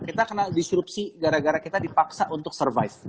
kita kena disrupsi gara gara kita dipaksa untuk survive